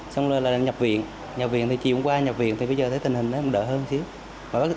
xong rồi là nhập viện nhập viện thì chiều hôm qua nhập viện thì bây giờ thấy tình hình nó đỡ hơn một xíu